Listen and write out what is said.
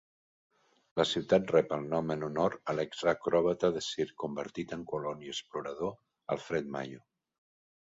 La ciutat rep el nom en honor a l'exacròbata de circ convertit en colon i explorador Alfred Mayo.